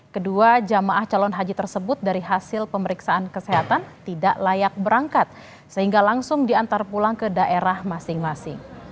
kedua jemaah calon haji tersebut dari hasil pemeriksaan kesehatan tidak layak berangkat sehingga langsung diantar pulang ke daerah masing masing